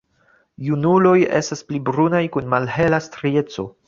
Junuloj estas pli brunaj kun malhela strieco.